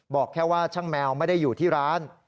บอกแค่ว่าช่างแมวไม่ได้อยู่ที่ร้าน